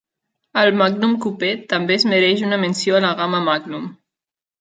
El Magnum coupé també es mereix una menció a la gama Magnum.